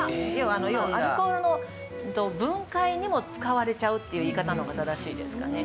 要はアルコールの分解にも使われちゃうっていう言い方の方が正しいですかね。